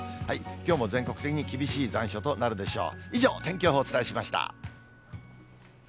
きょうも全国的に厳しい残暑となるでしょう。